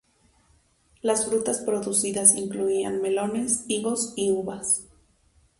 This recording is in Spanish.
Las frutas producidas incluían melones, higos y uvas.